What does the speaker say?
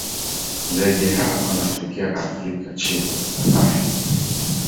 Ndege hawa wanatokea Afrika chini ya Sahara.